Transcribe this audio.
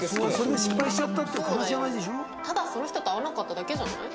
ただその人と合わなかっただけじゃない？